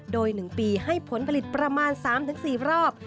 โดย๑ปีให้ผลผลิตประมาณ๓๔รอบ